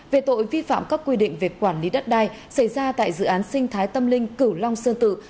về tội vi phạm các quy định về quản lý đất đai xảy ra tại dự án sinh thái tâm linh cửu long sơn tự